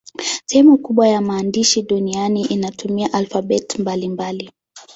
Sehemu kubwa ya maandishi duniani inatumia alfabeti mbalimbali.